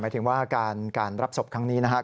ถึงว่าการรับศพครั้งนี้นะครับ